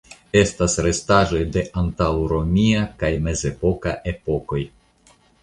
Estas restaĵoj de antaŭromia kaj mezepoka epokoj.